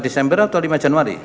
desember atau lima januari